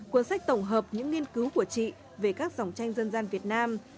cuốn sách tổng hợp những nghiên cứu của chị về các dòng tranh dân gian việt nam